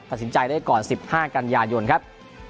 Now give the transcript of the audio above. ตัดสินใจได้ก่อน๑๕กันยายนครับ